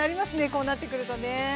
こうなってくるとね。